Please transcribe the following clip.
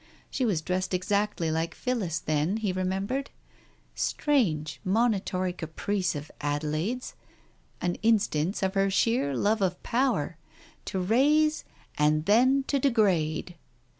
She was dressed exactly like Phillis, then, he remembered ! Strange monitory caprice of Adelaide's — an instance of her sheer love of power — to raise, and then to degrade